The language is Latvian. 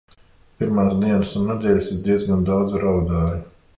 Pirmās dienas un nedēļas es diezgan daudz raudāju.